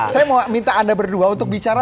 saya mau minta anda berdua untuk bicara